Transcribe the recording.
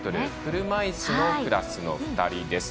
車いすのクラスの２人です。